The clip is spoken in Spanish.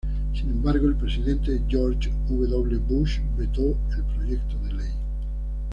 Sin embargo, el presidente George W. Bush, vetó el proyecto de ley.